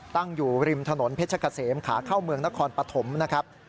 ตั้งอยู่ริมถนนเพชรกะเสมขาเข้าเมืองนครปฐมนะครับ